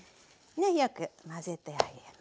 よく混ぜてあげます。